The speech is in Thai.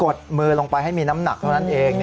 ดมือลงไปให้มีน้ำหนักเท่านั้นเอง